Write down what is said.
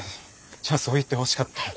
じゃあそう言ってほしかったよ。